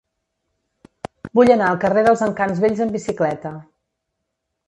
Vull anar al carrer dels Encants Vells amb bicicleta.